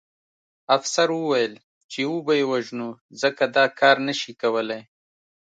افسر وویل چې وبه یې وژنو ځکه کار نه شي کولی